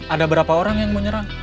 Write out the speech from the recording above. ada berapa orang yang mau nyerang